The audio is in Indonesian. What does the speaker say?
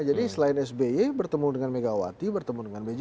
jadi selain sby bertemu dengan megawati bertemu dengan bg habibie